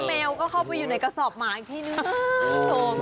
แล้วแมวก็เข้าไปอยู่ในกระซอบหมาอีกทีนึง